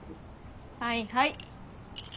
はいはい。